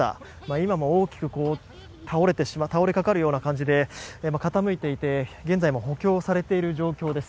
今も大きく倒れかかるような感じで傾いていて現在も補強されている状況です。